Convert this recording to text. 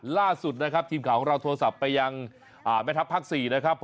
ล่าสุดนะครับทีมข่าวของเราโทรศัพท์ไปยังแม่ทัพภาค๔นะครับ